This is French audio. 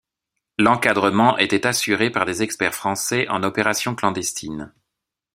L’encadrement était assuré par des experts français en opérations clandestines.